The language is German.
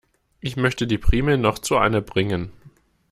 Ich möchte die Primeln noch zu Anne bringen.